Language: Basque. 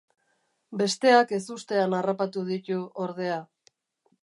Besteak ezustean harrapatu ditu, ordea.